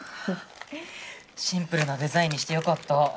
シンプルなデザインにしてよかった。